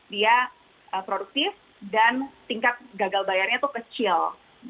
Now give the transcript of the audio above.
dia produktif dan tingkat gagal bayarnya itu kecil